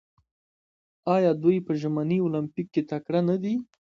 آیا دوی په ژمني المپیک کې تکړه نه دي؟